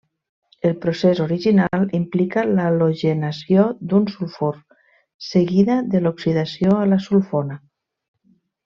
El procés original implica l'halogenació d'un sulfur, seguida de l'oxidació a la sulfona.